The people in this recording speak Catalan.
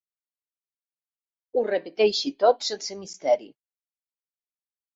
Ho repeteixi tot sense misteri.